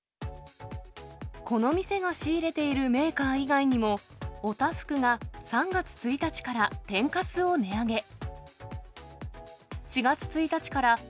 この店が仕入れているメーカー以外にも、お多福が３月１日から天かすを値上げ。